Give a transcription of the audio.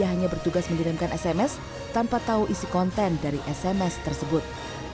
ia hanya bertugas mengirimkan sms tanpa tahu isi konten dari sms tersebut